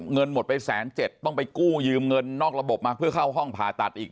เงินหมดไปแสนเจ็ดต้องไปกู้ยืมเงินนอกระบบมาเพื่อเข้าห้องผ่าตัดอีก